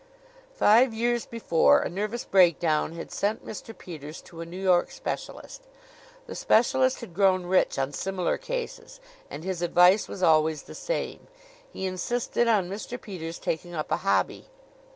Five years before, a nervous breakdown had sent Mr. Peters to a New York specialist. The specialist had grown rich on similar cases and his advice was always the same. He insisted on Mr. Peters taking up a hobby.